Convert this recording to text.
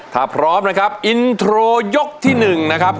ถ้าพร้อมนะครับอินโทรยกที่๑นะครับ